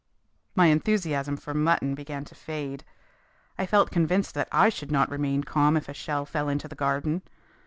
My enthusiasm for mutton began to fade. I felt convinced that I should not remain calm if a shell fell into the garden.